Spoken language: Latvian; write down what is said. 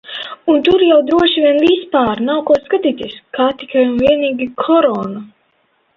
Un tur jau droši vien vispār nav ko skatīties. Kā tikai un vienīgi Corona.